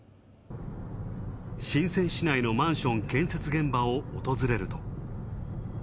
深セン市内のマンション建設現場を訪れると。